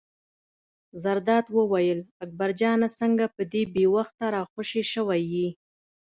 زرداد وویل: اکبر جانه څنګه په دې بې وخته را خوشې شوی یې.